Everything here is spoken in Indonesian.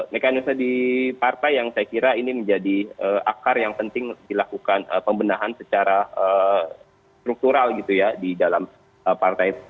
mekanisme di partai yang saya kira ini menjadi akar yang penting dilakukan pembenahan secara struktural gitu ya di dalam partai